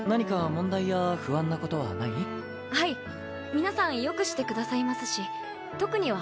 皆さん良くしてくださいますし特には。